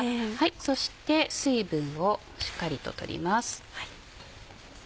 そして水分をしっかりと取ります。